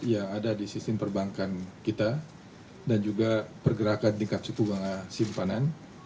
yang ada di sistem perbankan kita dan juga pergerakan tingkat suku bunga simpanan